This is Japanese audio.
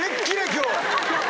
今日。